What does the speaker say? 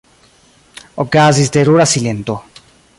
Okazis terura silento.